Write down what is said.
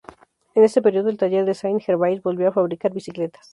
En este período el taller de Saint Gervais volvió a fabricar bicicletas.